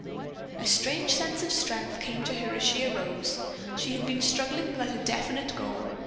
A strange sense of strength came to her as she arose. She had been struggling without a definite goal.